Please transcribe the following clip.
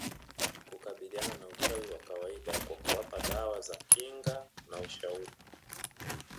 kukabiliana na uchawi wa kawaida kwa kuwapa dawa za kinga na ushauri